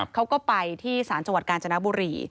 เขาก็ไปที่ศาลจังหวัดกาญจนบุรี